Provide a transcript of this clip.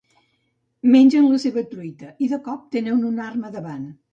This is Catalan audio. Mengen la seva truita i de cop tenen una arma davant.